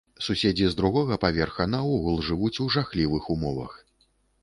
Суседзі з другога паверха наогул жывуць у жахлівых умовах.